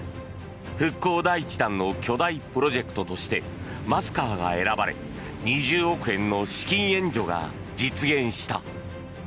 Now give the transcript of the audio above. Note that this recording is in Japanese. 復興第１弾の巨大プロジェクトとしてマスカーが選ばれ２０億円の資金援助が実現した。